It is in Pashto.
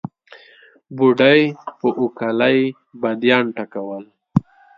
بوډۍ په اوکلۍ باديان ټکول.